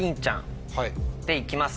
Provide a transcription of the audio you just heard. で行きます